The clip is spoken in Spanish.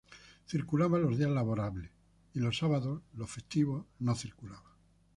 Circulaba los días laborables y los sábados, los festivos no circulaba.